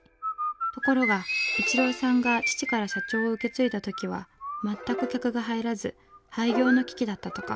ところが逸郎さんが父から社長を受け継いだ時は全く客が入らず廃業の危機だったとか。